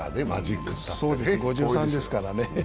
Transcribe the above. ５３ですからね。